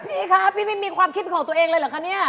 พี่คะพี่ไม่มีความคิดของตัวเองเลยเหรอคะเนี่ย